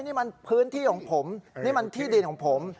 นี่มันพื้นที่ของผมนี่มันที่ดินของผม